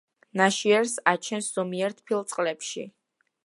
ნაშიერს აჩენს ზომიერ თბილ წყლებში.